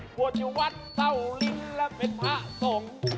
พวดอยู่วัดเต้าลิ้นและเป็นพระสงฆ์